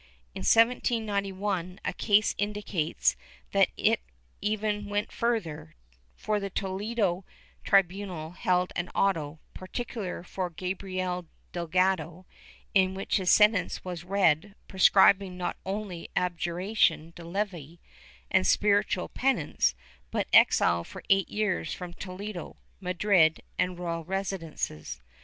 In 1791 a case indicates that it even went further, for the Toledo tribunal held an auto particular for Gabriel Delgado, in which his sentence was read, prescribing not only abjuration de levi and spiritual penance, but exile for eight years from Toledo, Madrid and royal residences.